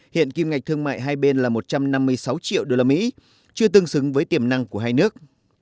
hiện kim ngạch thương mại hai bên là một trăm năm mươi sáu triệu usd chưa tương xứng với tiềm năng của hai nước